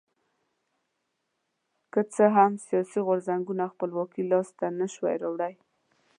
که څه هم دې سیاسي غورځنګونو خپلواکي لاسته نه شوه راوړی.